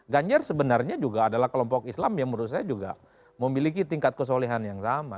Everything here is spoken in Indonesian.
ganjar sebenarnya juga adalah kelompok islam yang menurut saya juga memiliki tingkat kesolehan yang sama